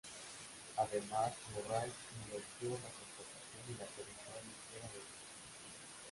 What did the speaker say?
Además, Murray elogió la composición y la producción ligera de este.